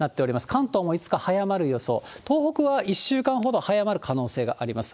関東も５日早まる予想、東北は１週間ほど早まる可能性があります。